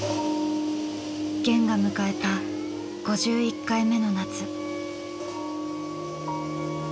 『ゲン』が迎えた５１回目の夏。